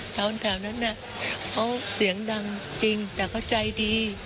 แถวนั้นเขาเสียงดังจริงแต่เขาใจดี